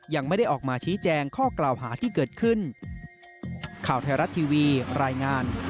ยังไม่ได้ออกมาชี้แจงข้อกล่าวหาที่เกิดขึ้น